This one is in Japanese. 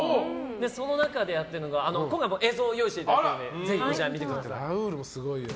その中でやってるのが映像を用意していただいたのでぜひ見てください。